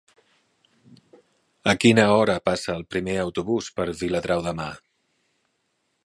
A quina hora passa el primer autobús per Viladrau demà?